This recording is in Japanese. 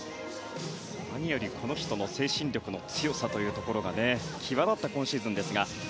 何よりこの人の精神力の強さが際立った今シーズンですが。